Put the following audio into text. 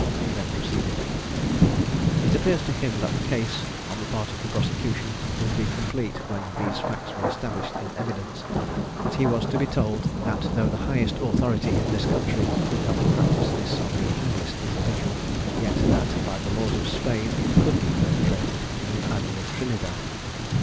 He then proceeded]: "It appeared to him, that the case, on the part of the prosecution, would be complete when these facts were established in evidence; but he was to be told, that though the highest authority in this country could not practise this on the humblest individual, yet that, by the laws of Spain, it could be perpetrated in the island of Trinidad.